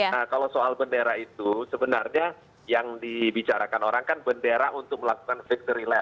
nah kalau soal bendera itu sebenarnya yang dibicarakan orang kan bendera untuk melakukan factory lab